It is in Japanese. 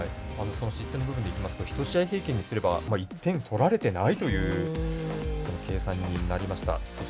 失点の部分１試合平均にすれば１点取られてないっていう計算になりました。